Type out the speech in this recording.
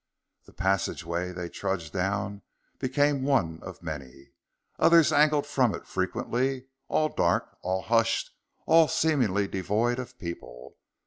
The passageway they trudged down became one of many. Others angled from it frequently, all dark, all hushed, all seemingly devoid of people.